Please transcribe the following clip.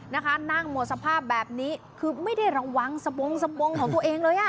นะคะนั่งหมดสภาพแบบนี้คือไม่ได้ระวังสบงสบงของตัวเองเลยอ่ะ